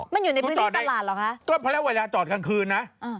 ก็เพราะแล้วเวลาจอดกลางคืนนะ